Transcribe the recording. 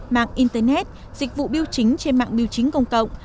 mạng internet dịch vụ biêu chính trên mạng biêu chính công cộng